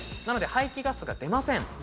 なので排出ガスが出ません。